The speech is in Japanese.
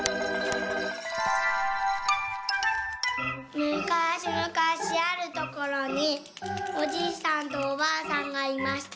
「むかしむかしあるところにおじいさんとおばあさんがいました。